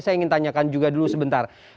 saya ingin tanyakan juga dulu sebentar